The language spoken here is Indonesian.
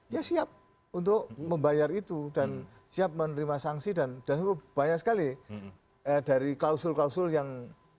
ya siap untuk membayar itu dan siap menerima sanksi dan banyak sekali dari klausul klausul yang